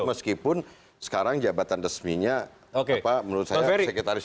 meskipun sekarang jabatan resminya menurut saya sekretaris utama yang panas